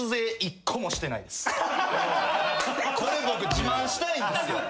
これ僕自慢したいんですよ。